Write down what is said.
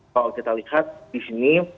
kalau kita lihat di sini